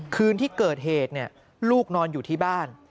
คืนที่เกิดเหตุลูกนอนอยู่ที่บ้าน